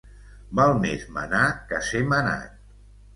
Val més manar que ser manat.